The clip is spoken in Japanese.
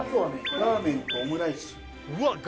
ラーメンとオムライス？